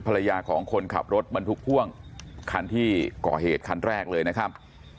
ภรรยาของคนขับรถบรรทุกพ่วงคันที่ก่อเหตุคันแรกเลยนะครับ